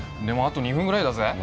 でもあと２分ぐらいだぜ。